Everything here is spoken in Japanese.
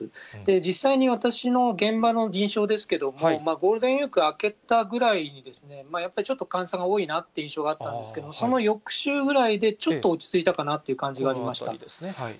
実際に私の現場の印象ですけれども、ゴールデンウィーク明けたぐらいに、やっぱりちょっと、患者さんが多いなっていう感じがあったんですけど、その翌週ぐらいでちょっと落ち着いたかなという感じがありました。